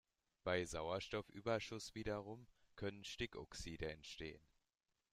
Bei Sauerstoffüberschuss wiederum können Stickoxide entstehen.